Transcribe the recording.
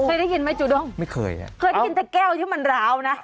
เคยได้ยินไหมจูด้งไม่เคยอ่ะเคยได้ยินแต่แก้วที่มันร้าวนะ